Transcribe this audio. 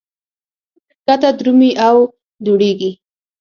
ښکته درومي او دوړېږي.